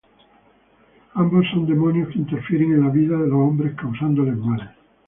Ambos son demonios que interfieren en la vida de los hombres causándoles males.